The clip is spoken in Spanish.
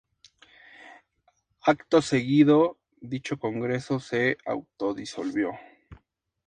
Acto seguido, dicho Congreso se autodisolvió.